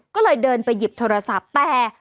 ก็เลยเดินไปหยิบโทรศัพท์แต่